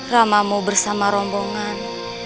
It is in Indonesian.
ramamu bersama rombongan